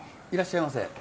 いらっしゃいませ。